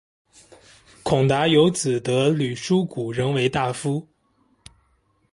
孔达有子得闾叔榖仍为大夫。